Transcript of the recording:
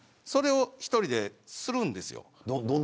それを１人でするんですよ。